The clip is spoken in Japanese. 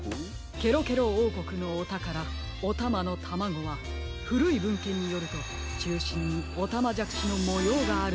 ケロケロおうこくのおたからおたまのタマゴはふるいぶんけんによるとちゅうしんにおたまじゃくしのもようがあるのです。